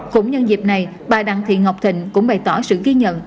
cũng nhân dịp này bà đặng thị ngọc thịnh cũng bày tỏ sự ghi nhận